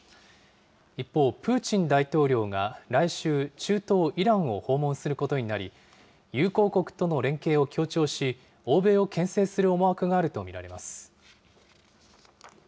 一方、プーチン大統領が来週、中東イランを訪問することになり、友好国との連携を強調し、欧米をけん制する思惑があると見られます。